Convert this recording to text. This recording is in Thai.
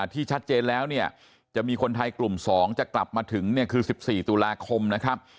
ที่ชัดเจนแล้วเนี่ยจะมีคนไทยกลุ่ม๒จะกลับมาถึงเนี่ยคือ๑๔ตุลาคมนะครับ